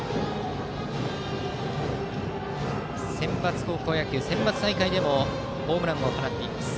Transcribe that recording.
センバツ高校野球でもホームランを放っています